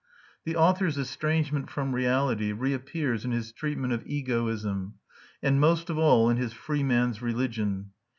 The author's estrangement from reality reappears in his treatment of egoism, and most of all in his "Free Man's Religion."